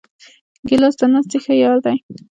ګیلاس د ناستې ښه یار دی.